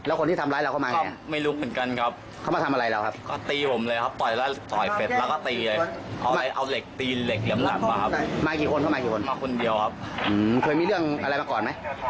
เอาบัตรประชาชนพี่ก่อน